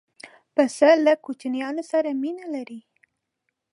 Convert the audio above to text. پسه له کوچنیانو سره مینه لري.